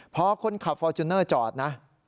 พอคนขับฟอร์จูเนอร์จอดนะ